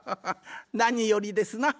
なによりですな。